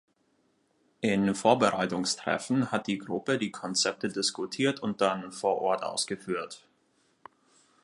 In Vorbereitungstreffen hat die Gruppe die Konzepte diskutiert und dann vor Ort ausgeführt.